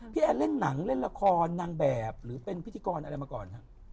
แอนเล่นหนังเล่นละครนางแบบหรือเป็นพิธีกรอะไรมาก่อนฮะ